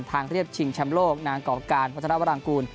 ทางเรียบชิงชั้นโลกนางเกาะกาลพัฒนาวัลังกูล